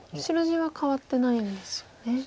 白地は変わってないんですよね。